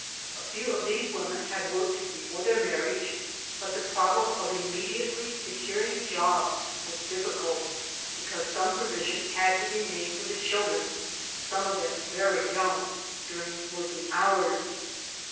A few of these women had worked before their marriage, but the problem of. immediately securing jobs was difficult because some provision had to be made for the children — ^some of them very young — during working hours.